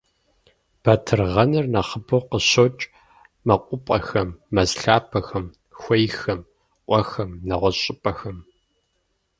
Батыргъэныр нэхъыбэу къыщокӏ мэкъупӏэхэм, мэз лъапэхэм, хуейхэм, къуэхэм, нэгъуэщӏ щӏыпӏэхэм.